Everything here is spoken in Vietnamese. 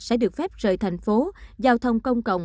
sẽ được phép rời thành phố giao thông công cộng